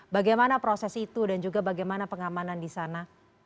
bagaimana proses itu dan juga bagaimana pengamanan di sana